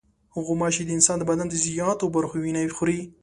غوماشې د انسان د بدن د زیاتو برخو وینه خوري.